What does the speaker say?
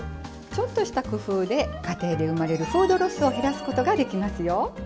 ちょっとした工夫で家庭で生まれるフードロスを減らすことができますよ。